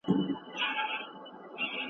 حق د باطل په وړاندي لکه توره ده.